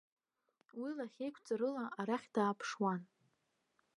Уи лахьеиқәҵарыла арахь дааԥшуан.